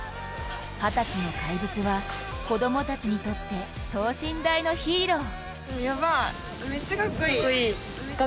二十歳の怪物は、子供たちにとって等身大のヒーロー。